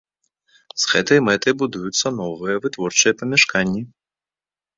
З гэтай мэтай будуюцца новыя вытворчыя памяшканні.